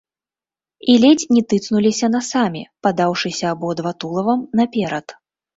І ледзь не тыцнуліся насамі, падаўшыся абодва тулавам наперад.